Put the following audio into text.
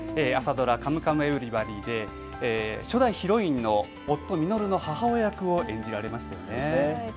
朝ドラ、カムカムエヴリバディで初代ヒロインの夫、稔の母親役を演じられましたよね。